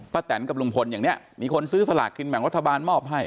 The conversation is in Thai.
ป้าแตนกับลุงพลอย่างเนี่ยมีคนซื้อสลักกินแหม่งวัฒนบาลมอบให้